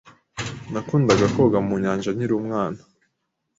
Nakundaga koga mu nyanja nkiri umwana.